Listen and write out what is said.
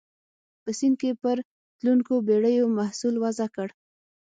په سیند کې پر تلونکو بېړیو محصول وضع کړ.